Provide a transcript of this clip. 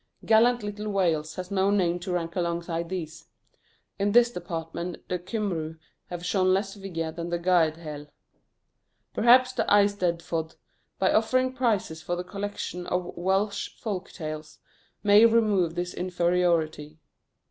Gallant little Wales has no name to rank alongside these; in this department the Cymru have shown less vigour than the Gaedhel. Perhaps the Eisteddfod, by offering prizes for the collection of Welsh folk tales, may remove this inferiority.